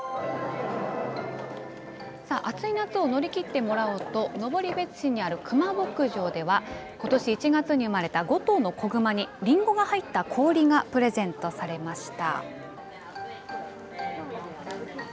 暑い夏を乗り切ってもらおうと登別市にあるクマ牧場ではことし１月に生まれた５頭の子グマにりんごが入った氷がプレゼントされました。